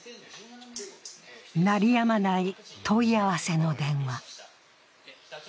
鳴りやまない問い合わせの電話。